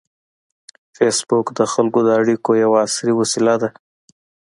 فېسبوک د خلکو د اړیکو یوه عصري وسیله ده